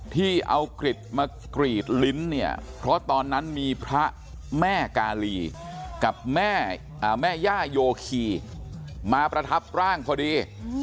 ที่เอากริจมากรีดลิ้นเนี่ยเพราะตอนนั้นมีพระแม่กาลีกับแม่ย่าโยคีมาประทับร่างพอดี